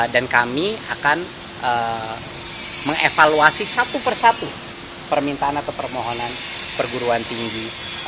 kami akan mengevaluasi satu persatu permintaan atau permohonan perguruan tinggi